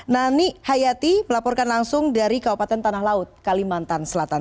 nani hayati melaporkan langsung dari kabupaten tanah laut kalimantan selatan